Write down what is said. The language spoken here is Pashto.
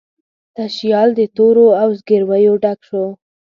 تشیال د تورو او زګیرویو ډک شو